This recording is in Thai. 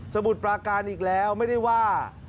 มุดปราการอีกแล้วไม่ได้ว่า